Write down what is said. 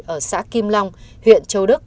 ở xã kim long huyện châu đức